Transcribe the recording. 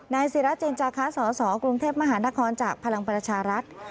ศิราจินจาคะสสกรุงเทพมหานครจากพลังประชารัฐ